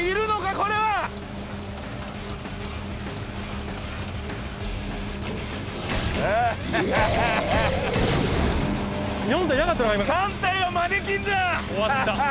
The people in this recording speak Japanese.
これは３体はマネキンだ！